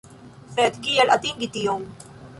Sed kiel atingi tion?